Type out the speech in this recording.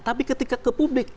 tapi ketika ke publik